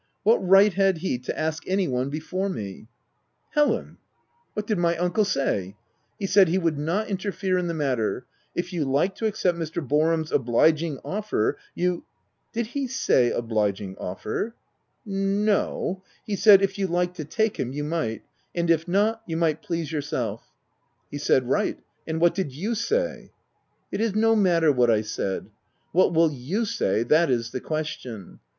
What right had he to ask any one before me }"" Helen !»" What did my uncle say 7" "He said he would not interfere in the matter; if you liked to accept Mr. Boarham's obliging offer, you "" Did he say obliging offer ?"" No ; he said if you liked to take him you might ; and if not, you might please yourself." OF WILDFELL HALL. 287 "He said right ; and what did you say ?"" It is no matter what I said. What will you say ?— that is the question.